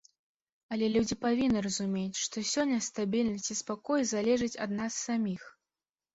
Але людзі павінны разумець, што сёння стабільнасць і спакой залежаць ад нас саміх.